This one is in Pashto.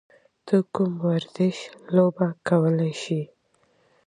ته کوم ورزش لوبه کولی شې؟